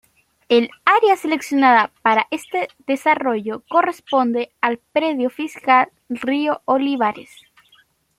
El área seleccionada para este desarrollo corresponde al predio fiscal Río Olivares.